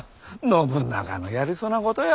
信長のやりそうなことよ。